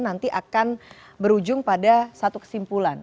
nanti akan berujung pada satu kesimpulan